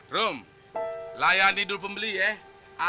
rum layan tidur pembeli ya